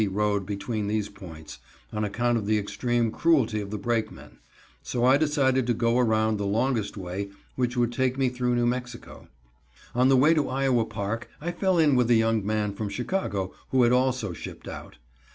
road between these points, on account of the extreme cruelty of the brakemen, so I decided to go around the longest way, which would take me through New Mexico. On the way to Iowa Park, I fell in with a young man from Chicago, who had also shipped out.